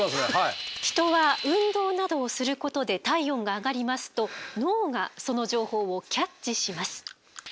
人は運動などをすることで体温が上がりますと脳がその情報をキャッチします。